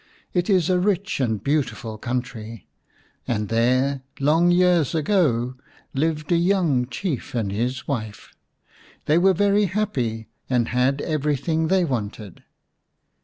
It is a rich and beautiful country, and there, long years ago, lived a young Chief and his wife. They were very happy, and had everything they wanted.